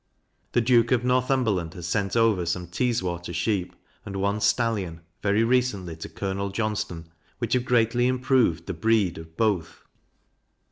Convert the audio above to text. The Duke of Northumberland has sent over some Teeswater sheep, and one stallion, very recently, to Colonel Johnston, which have greatly improved the breed of both.